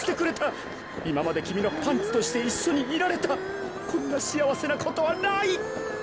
いままできみのパンツとしていっしょにいられたこんなしあわせなことはない！